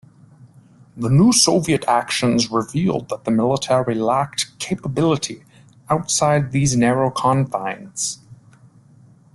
The new Soviet actions revealed that the military lacked capability outside these narrow confines.